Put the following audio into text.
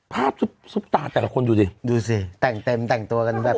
ซุปตาแต่ละคนดูดิดูสิแต่งเต็มแต่งตัวกันแบบ